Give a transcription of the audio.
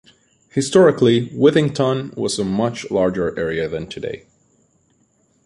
Historically, Withington was a much larger area than today.